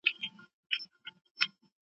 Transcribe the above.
ستړیا د ځینو کسانو شکایت وي.